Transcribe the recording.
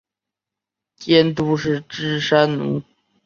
监督是芝山努。